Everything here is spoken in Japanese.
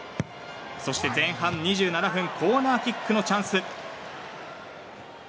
そして前半２７分コーナーキックのチャンス。